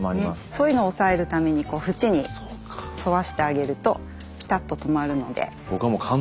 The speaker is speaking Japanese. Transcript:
そういうのを抑えるために縁に沿わしてあげるとピタッと止まるので。